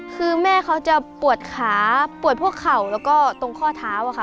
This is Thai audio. คือแม่เขาจะปวดขาปวดพวกเข่าแล้วก็ตรงข้อเท้าอะค่ะ